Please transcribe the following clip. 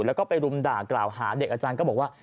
แล้วก็ไปรุมด่ากล่าวหาเด็กอาจารย์ก็บอกว่า